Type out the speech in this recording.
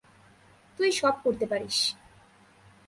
তুই সব করতে পারিস।